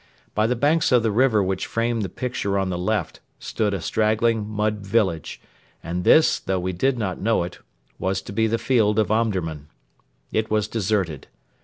By the banks of the river which framed the picture on the left stood a straggling mud village, and this, though we did not know it, was to be the field of Omdurman. It was deserted.